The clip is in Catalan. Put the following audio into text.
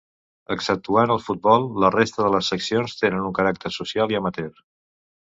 Exceptuant el futbol, la resta de les seccions tenen un caràcter social i amateur.